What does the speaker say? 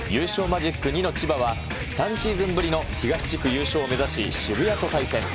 マジック２の千葉は、３シーズンぶりの東地区優勝を目指し、渋谷と対戦。